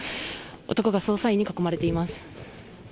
男が捜査員に囲まれています。